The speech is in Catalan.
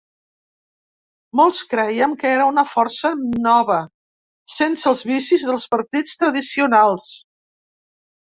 Molts crèiem que era una força nova, sense els vicis dels partits tradicionals.